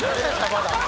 まだ。